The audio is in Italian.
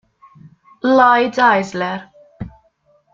Lloyd Eisler